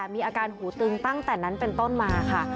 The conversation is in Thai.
มีอาการหูตึงตั้งแต่นั้นเป็นต้นมาค่ะ